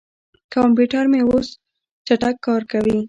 کمپیوټر مې اوس چټک کار کوي.